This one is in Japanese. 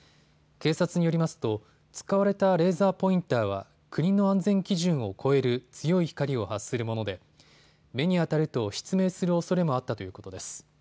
警察によりますと使われたレーザーポインターは国の安全基準を超える強い光を発するもので目に当たると失明するおそれもあったということです。